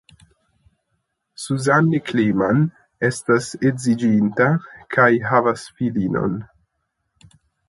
Suzanne Klemann estas edziĝinta kaj havas filinon.